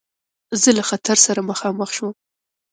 زه له خطر سره مخامخ شوم.